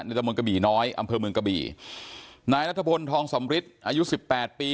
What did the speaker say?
เนื้อตะมนต์กะบี่น้อยอำเภอเมืองกะบี่นายรัฐบนทองสอมฤทธิ์อายุสิบแปดปี